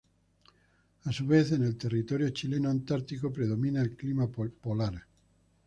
A su vez, en el Territorio Chileno Antártico, predomina el clima polar.